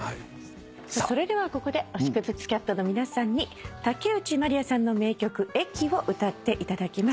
それではここで星屑スキャットの皆さんに竹内まりやさんの名曲『駅』を歌っていただきます。